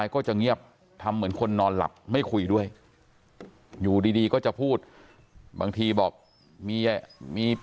ก็จะเงียบทำเหมือนคนนอนหลับไม่คุยด้วยอยู่ดีก็จะพูดบางทีบอกมีมี